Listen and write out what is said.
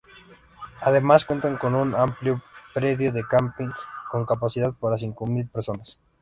Además cuentan con un amplio predio de camping con capacidad para cinco mil personas.